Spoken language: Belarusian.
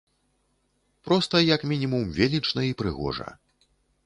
Проста як мінімум велічна і прыгожа.